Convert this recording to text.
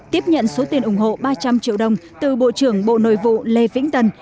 tiếp nhận số tiền ủng hộ ba trăm linh triệu đồng từ bộ trưởng bộ nội vụ lê vĩnh tân